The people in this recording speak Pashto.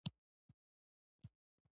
ودې انځور ته ګوره!